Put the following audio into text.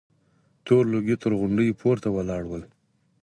تور لوګي تر غونډيو پورته ولاړ ول.